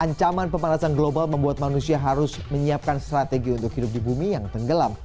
ancaman pemanasan global membuat manusia harus menyiapkan strategi untuk hidup di bumi yang tenggelam